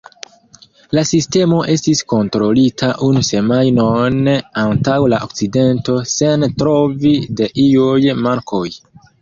La sistemo estis kontrolita unu semajnon antaŭ la akcidento, sen trovo de iuj mankoj.